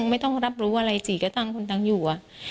ไม่ต้องรับรู้อะไรจีก็ต่างคนต่างอยู่